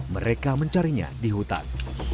mereka mencarinya di hutan